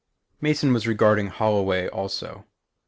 Mason was regarding Holloway also.